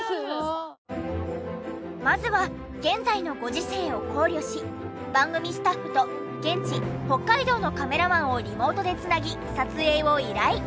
まずは現在のご時世を考慮し番組スタッフと現地北海道のカメラマンをリモートで繋ぎ撮影を依頼。